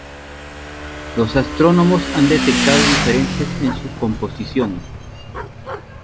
Los astrónomos han detectado diferencias en su composición.